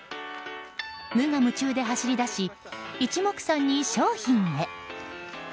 無我夢中で走り出し一目散に商品へ。